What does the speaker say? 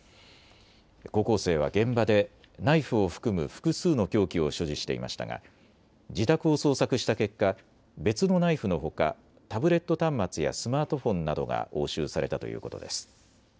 高校生は現場でナイフを含む複数の凶器を所持していましたが自宅を捜索した結果、別のナイフのほかタブレット端末やスマートフォンなどが押収されたということです。